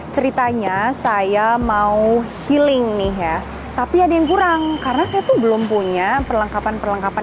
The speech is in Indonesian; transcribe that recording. ceritanya saya mau healing nih ya tapi ada yang kurang karena saya tuh belum punya perlengkapan perlengkapan